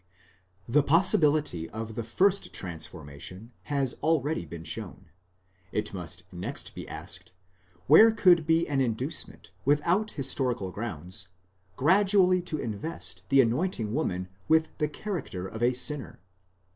409 The possibility of the first transformation has been already shown: it must next be asked, where could be an inducement, without historical grounds, gradually to invest the anointing woman with the character of asinner?